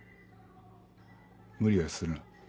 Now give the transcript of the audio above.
無理はするな。